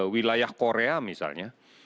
wilayah korea misalnya